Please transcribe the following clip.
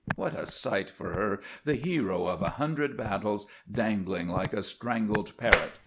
What a sight for her the hero of a hundred battles dangling like a strangled parrot.